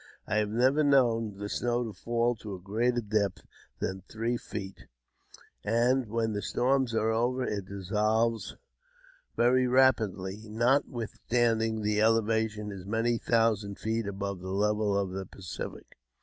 I have never known the snow to fall to a greater depth than three feet, and when the storms are over it dissolves Tery rapidly, notwithstanding the elevation is many thousand ; feet above the level of the Pacific.